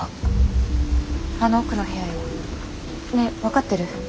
あの奥の部屋よ。ねえ分かってる？